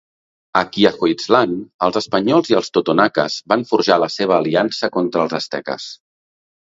A Quiahuiztlan, els espanyols i els totonaques van forjar la seva aliança contra els asteques.